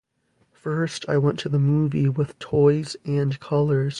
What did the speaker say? First, I went to the movie with toys and colours.